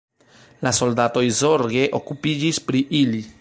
La soldatoj zorge okupiĝis pri ili.